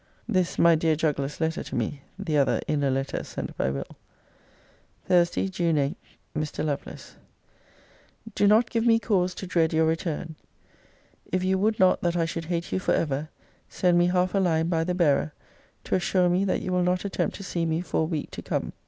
This my dear juggler's letter to me; the other inner letter sent by Will. THURSDAY, JUNE 8. MR. LOVELACE, Do not give me cause to dread your return. If you would not that I should hate you for ever, send me half a line by the bearer, to assure me that you will not attempt to see me for a week to come.